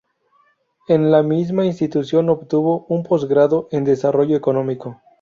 En la misma institución obtuvo un posgrado en desarrollo económico.